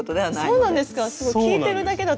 そうなんです。